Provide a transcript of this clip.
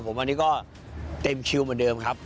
ผมอันนี้ก็เต็มคิวเหมือนเดิมครับ